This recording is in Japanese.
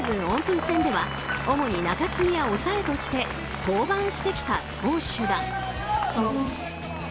オープン戦では主に中継ぎや抑えとして登板してきた投手だ。